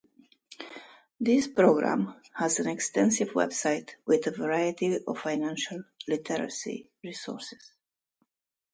This program has an extensive website with a variety of financial literacy resources.